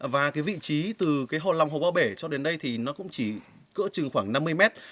và vị trí từ hồ lòng hồ ba bể cho đến đây cũng chỉ cỡ chừng khoảng năm mươi mét